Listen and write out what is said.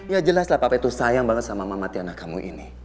ya jelas lah papa itu sayang banget sama mama tiana kamu ini